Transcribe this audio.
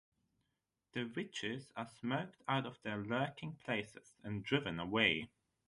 The witches are smoked out of their lurking places and driven away.